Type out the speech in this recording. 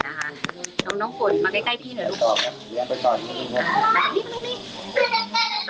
อยากให้สังคมรับรู้ด้วย